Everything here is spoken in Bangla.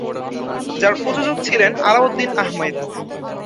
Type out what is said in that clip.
যার প্রযোজক ছিলেন আলাউদ্দিন আহমেদ।